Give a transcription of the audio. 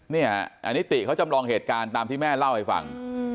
เนี่ยอันนี้ติเขาจำลองเหตุการณ์ตามที่แม่เล่าให้ฟัง